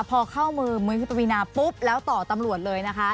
พอเข้ามือมือที่ปวีนาปุ๊บแล้วต่อตำรวจเลยนะคะ